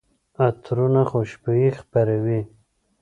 عطرونه خوشبويي خپروي.